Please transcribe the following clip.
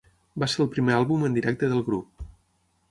Va ser el primer àlbum en directe del grup.